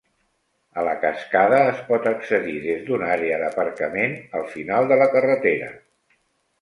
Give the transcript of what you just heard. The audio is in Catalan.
A la cascada es pot accedir des d'una àrea d'aparcament al final de la carretera.